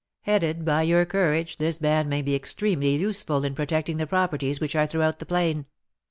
Headed by your courage, this band may be extremely useful in protecting the properties which are throughout the plain.